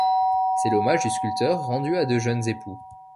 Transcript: C’est l’hommage du sculpteur rendu à de jeunes époux.